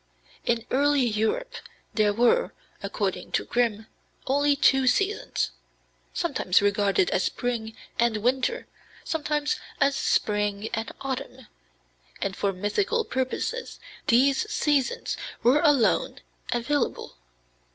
In early Europe there were, according to Grimm, only two seasons, sometimes regarded as spring and winter, sometimes as spring and autumn, and for mythical purposes these seasons were alone available.